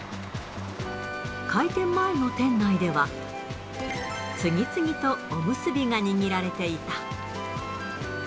開店前の店内では、次々とおむすびが握られていた。